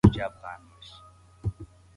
لوړپوړي ودانۍ ژر په خرابو بدلې شوې.